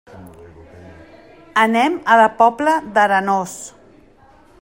Anem a la Pobla d'Arenós.